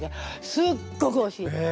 すっごくおいしいの！